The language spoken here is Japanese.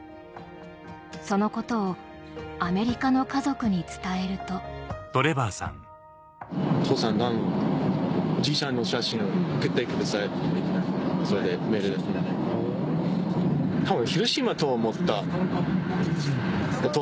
そのことをアメリカの家族に伝えると多分。